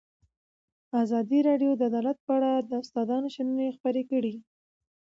ازادي راډیو د عدالت په اړه د استادانو شننې خپرې کړي.